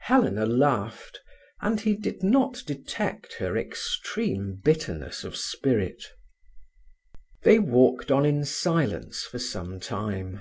Helena laughed, and he did not detect her extreme bitterness of spirit. They walked on in silence for some time.